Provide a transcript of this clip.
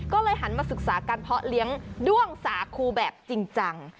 ก็เลยหันมาศึกษาการเพาะเลี้ยงด้วงสาคูแบบจริงจัง